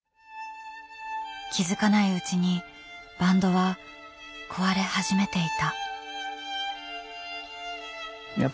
気付かないうちにバンドは壊れ始めていた。